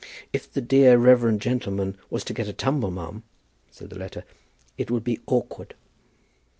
"If the dear reverend gentleman was to get a tumble, ma'am," said the letter, "it would be awkward."